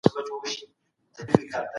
د فولکلور کيسې ډېر پېچ و خم لري.